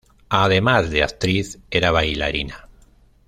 Además de actriz era bailarina.